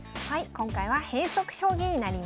今回は変則将棋になります。